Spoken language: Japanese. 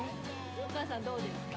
お母さん、どうですか？